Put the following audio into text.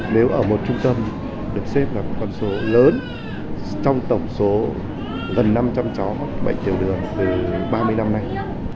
nếu ở một trung tâm được xếp là một con số lớn trong tổng số gần năm trăm linh cháu mắc bệnh tiểu đường từ ba mươi năm nay